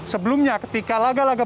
sebelumnya ketika laga laga